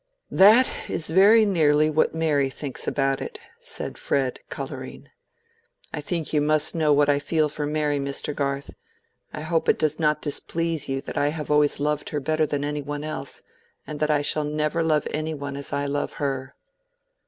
"That is very nearly what Mary thinks about it," said Fred, coloring. "I think you must know what I feel for Mary, Mr. Garth: I hope it does not displease you that I have always loved her better than any one else, and that I shall never love any one as I love her."